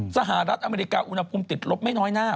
สหรัฐอเมริกาอุณหภูมิติดลบไม่น้อยหน้า